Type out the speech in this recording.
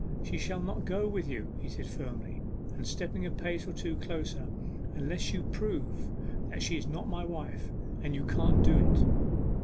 'She shall not go with you,' he said firmly, and stepping a pace or two closer, 'unless you prove that she is not my wife; and you can't do it!